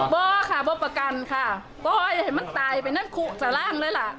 บอกค่ะบ่อประกันค่ะบ่ให้มันตายไปนั่นคุกสล่างเลยล่ะ